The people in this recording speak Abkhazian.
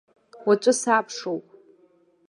Уаҵәы сабшоуп.